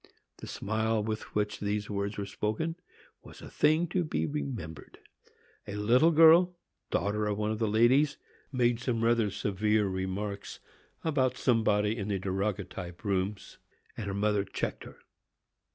The smile with which these words were spoken was a thing to be remembered. A little girl, daughter of one of the ladies, made some rather severe remarks about somebody in the daguerreotype rooms, and her mother checked her.